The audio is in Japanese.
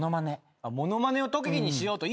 物まねを特技にしようと。